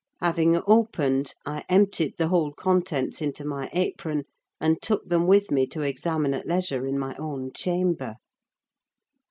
Having opened, I emptied the whole contents into my apron, and took them with me to examine at leisure in my own chamber.